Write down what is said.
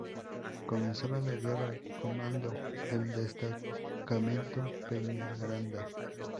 Comenzada la guerra comandó el Destacamento Peñaranda.